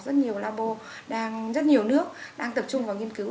rất nhiều nabo rất nhiều nước đang tập trung vào nghiên cứu